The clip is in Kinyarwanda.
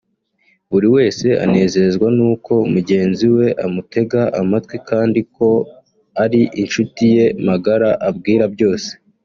buri wese anezezwa n’uko mugenzi we amutega amatwi kandi ko ari inshuti ye magara abwira byose